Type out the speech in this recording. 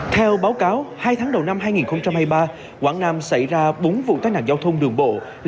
theo báo cáo hai tháng đầu năm hai nghìn hai mươi ba quảng nam xảy ra bốn vụ tai nạn giao thông đường bộ